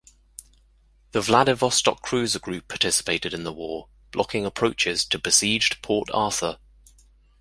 The Vladivostok Cruiser Group participated in the war, blocking approaches to besieged Port-Arthur.